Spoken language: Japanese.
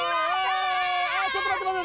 ちょっとまってまって。